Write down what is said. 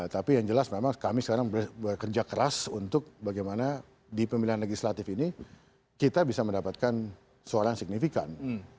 tapi yang jelas memang kami sekarang bekerja keras untuk bagaimana di pemilihan legislatif ini kita bisa mendapatkan suara yang signifikan